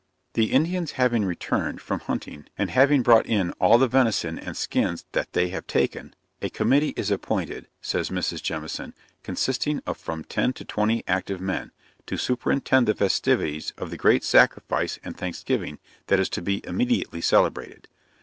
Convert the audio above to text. The Indians having returned, from hunting, and having brought in all the venison and skins that they have taken, a committee is appointed, says Mrs. Jemison, consisting of from ten to twenty active men, to superintend the festivities of the great sacrifice and thanksgiving that is to be immediately celebrated.